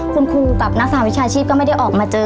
คุณครูกับนักสหวิชาชีพก็ไม่ได้ออกมาเจอ